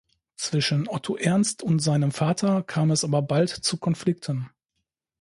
Zwischen Otto-Ernst und seinem Vater kam es aber bald zu Konflikten.